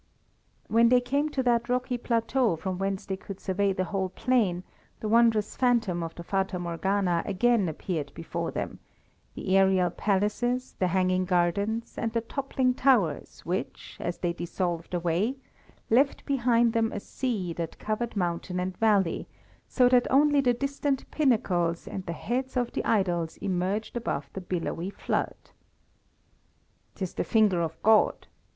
When they came to that rocky plateau from whence they could survey the whole plain, the wondrous phantom of the Fata Morgana again appeared before them the aerial palaces, the hanging gardens, and the toppling towers which, as they dissolved away, left behind them a sea that covered mountain and valley, so that only the distant pinnacles and the heads of the idols emerged above the billowy flood. "'Tis the finger of God!"